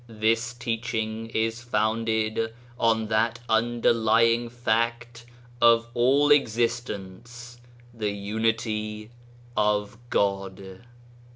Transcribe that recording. This teaching is founded on that underlying fact of all existence, the Unity of God.